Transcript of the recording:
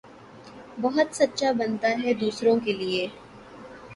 بہت سچا بنتا ھے دوسروں کے لئے